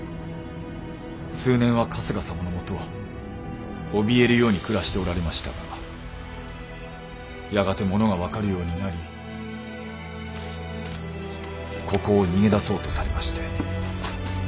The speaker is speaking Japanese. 数年は春日様のもとおびえるように暮らしておられましたがやがて物が分かるようになりここを逃げだそうとされまして。